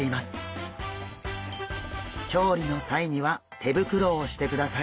調理の際には手袋をしてください。